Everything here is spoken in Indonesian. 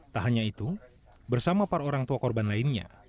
tak hanya itu bersama para orang tua korban lainnya